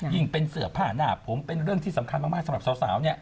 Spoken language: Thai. เป็นเสื้อผ้าหน้าผมเป็นเรื่องที่สำคัญมากสำหรับสาวเนี่ย